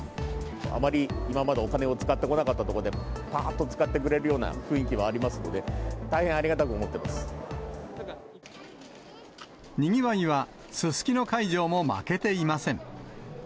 あまり今までお金を使ってこなかったところで、ぱーっと使ってくれるような雰囲気はありますので、大変ありがたにぎわいは、すすきの会場も負けていません。